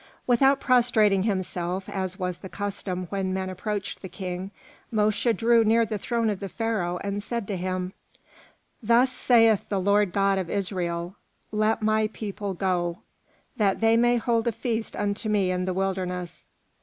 Without prostrating himself, as was the custom when men approached the King, Mosche drew near the throne of the Pharaoh and said to him: "Thus saith the Lord God of Israel: 'Let my people go, that they may hold a feast unto me in the wilderness.'"